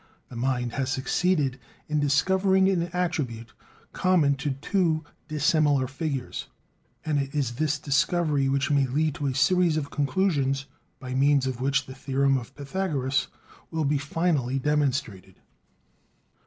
The mind has succeeded in discovering an attribute common to two dissimilar figures; and it is this discovery which may lead to a series of conclusions by means of which the theorem of Pythagoras will be finally demonstrated.